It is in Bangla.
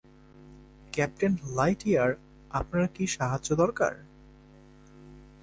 ক্যাপ্টেন লাইটইয়ার, আপনরা কি সাহায্য দরকার?